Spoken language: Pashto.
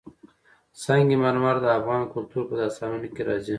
سنگ مرمر د افغان کلتور په داستانونو کې راځي.